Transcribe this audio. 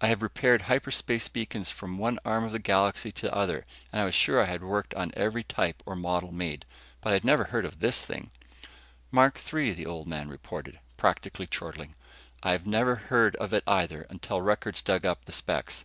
I have repaired hyperspace beacons from one arm of the Galaxy to the other and was sure I had worked on every type or model made. But I had never heard of this kind. "Mark III," the Old Man repeated, practically chortling. "I never heard of it either until Records dug up the specs.